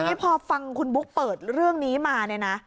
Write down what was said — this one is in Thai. ทีนี้พอฟังคุณบุ๊กเปิดเรื่องนี้มาเนี่ยนะ